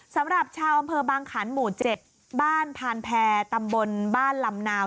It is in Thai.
สำหรับชาวอำเภอบางขันหมู่๗บ้านพานแพรตำบลบ้านลำนาว